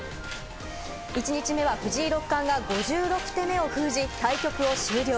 １日目は藤井六冠が５６手目を封じ、対局を終了。